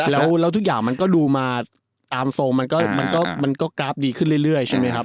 แล้วทุกอย่างมันก็ดูมาตามทรงมันก็กราฟดีขึ้นเรื่อยใช่ไหมครับ